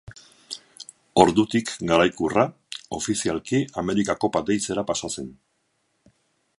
Ordutik, garaikurra, ofizialki, Amerika Kopa deitzera pasa zen.